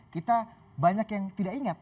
kita banyak yang tidak ingat